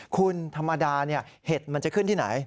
คุณธรรมดาเห็ดมันจะขึ้นที่ไหน